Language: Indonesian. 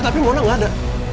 tapi mona gak ada